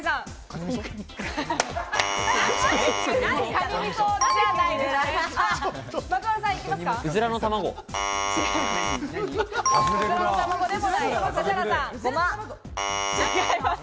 カニみそじゃないです。